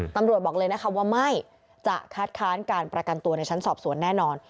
บอกเลยนะคะว่าไม่จะคัดค้านการประกันตัวในชั้นสอบสวนแน่นอน